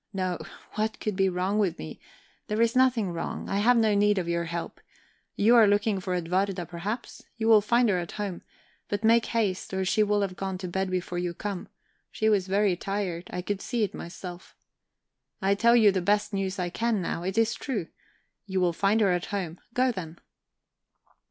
No, what could be wrong with me? There is nothing wrong; I have no need of your help. You are looking for Edwarda, perhaps? You will find her at home. But make haste, or she will have gone to bed before you come; she was very tired, I could see it myself. I tell you the best news I can, now; it is true. You will find her at home go, then!"